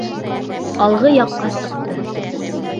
Алғы яҡҡа сыҡты.